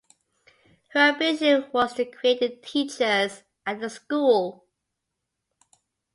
Her ambition was to create teachers at the school.